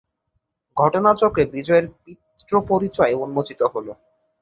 ঘটনাচক্রে বিজয়ের পিতৃপরিচয় উন্মোচিত হল।